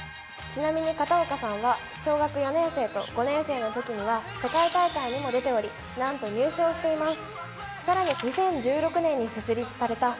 ちなみに片岡さんは小学４年生と５年生のときには世界大会にも出ており、なんと入賞しています。